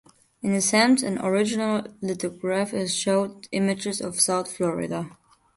In essence an original lithograph, it showed images of south Florida.